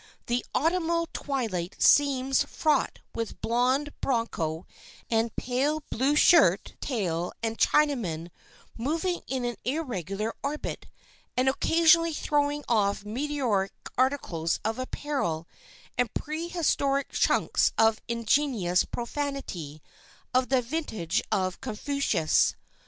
The autumnal twilight seems fraught with blonde broncho and pale blue shirt tail and Chinaman moving in an irregular orbit, and occasionally throwing off meteoric articles of apparel and pre historic chunks of ingenious profanity of the vintage of Confucius.